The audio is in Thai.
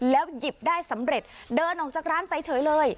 หยิบได้สำเร็จเดินออกจากร้านไปเฉยเลย